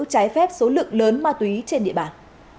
trái phép số lượng lớn ma túy trên địa bàn